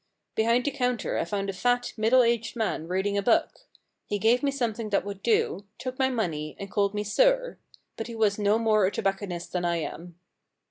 Behind the counter I found a fat, middle aged man reading a book. He gave me something that would do, took my money, and called me sir. But he was no more a tobacconist than I am.